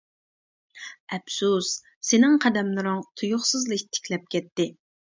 ئەپسۇس، سېنىڭ قەدەملىرىڭ تۇيۇقسىزلا ئىتتىكلەپ كەتتى.